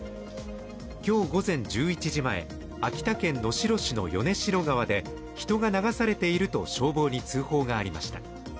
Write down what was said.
今日午前１１時前、秋田県能代市の米代川で人が流されていると消防に通報がありました。